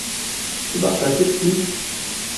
Tu behsa çi dikî?